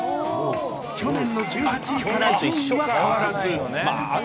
去年の１８位から順位は変わらず。